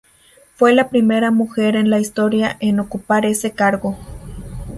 Fue la primera mujer en la historia en ocupar ese cargo.